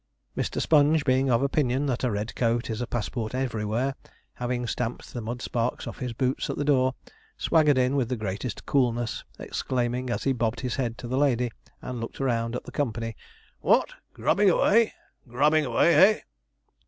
Mr. Sponge, being of opinion that a red coat is a passport everywhere, having stamped the mud sparks off his boots at the door, swaggered in with the greatest coolness, exclaiming as he bobbed his head to the lady, and looked round at the company: 'What, grubbing away! grubbing away, eh?'